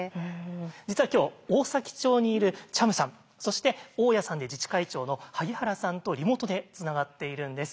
実は今日大崎町にいるチャムさんそして大家さんで自治会長の萩原さんとリモートでつながっているんです。